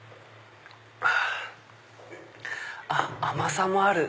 あ甘さもある。